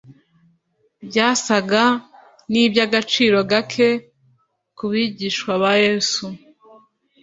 Byasaga n’iby’agaciro gake ku bigishwa ba Yesu,